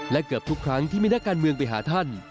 และเกือบทุกครั้งที่มีนักการเมืองไปหาท่าน